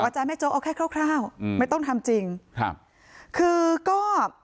ใจแม่โจ๊กเอาแค่คร่าวอืมไม่ต้องทำจริงครับคือก็